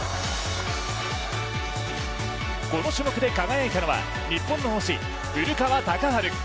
この種目で輝いたのは日本の星、古川高晴。